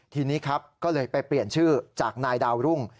ทีนี้ครับก็เลยไปเปลี่ยนชื่อจากนายดาวรุ่ง